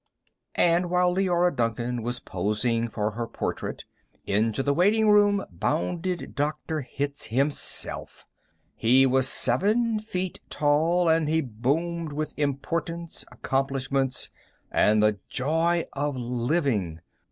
And, while Leora Duncan was posing for her portrait, into the waitingroom bounded Dr. Hitz himself. He was seven feet tall, and he boomed with importance, accomplishments, and the joy of living.